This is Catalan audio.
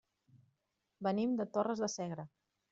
Venim de Torres de Segre.